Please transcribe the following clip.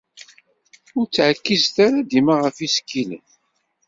Ur ttɛekkizet ara dima ɣef yisekkilen.